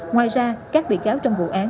ngoài ra các bị cáo trong vụ án